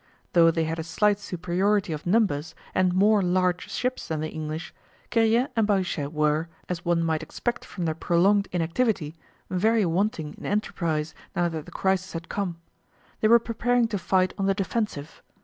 Though they had a slight superiority of numbers and more large ships than the English, Kiriet and Bahuchet were, as one might expect from their prolonged inactivity, very wanting in enterprise now that the crisis had come. They were preparing to fight on the defensive.